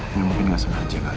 ini mungkin gak senang aja pak